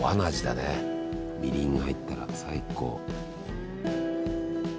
みりんが入ったら最高。